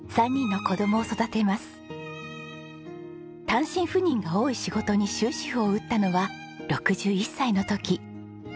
単身赴任が多い仕事に終止符を打ったのは６１歳の時。